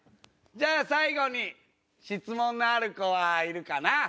じゃあ最後に質問のある子はいるかな？